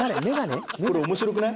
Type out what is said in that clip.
これ面白くない？